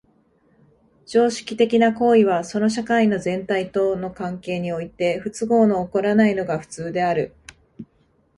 常識的な行為はその社会の全体との関係において不都合の起こらないのが普通である。